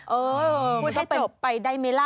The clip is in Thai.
เออคุณต้องไปได้ไหมล่ะ